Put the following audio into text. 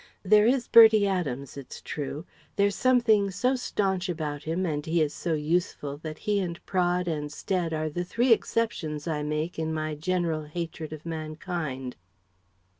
There is Bertie Adams, it's true. There's something so staunch about him and he is so useful that he and Praed and Stead are the three exceptions I make in my general hatred of mankind..."